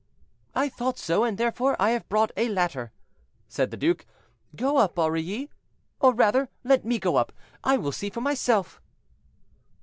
"I thought so; and therefore I have brought a ladder," said the duke. "Go up, Aurilly, or rather, let me go up; I will see for myself."